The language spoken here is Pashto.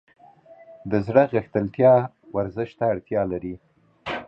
د زړه غښتلتیا ورزش ته اړتیا لري.